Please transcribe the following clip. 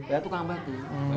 ya tukang batu